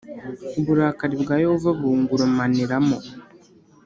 Uburakari bwa Yehova bungurumaniramo